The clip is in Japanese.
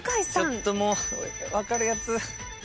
ちょっともう分かるやつ。